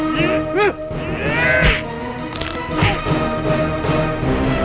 jangan ambil anakku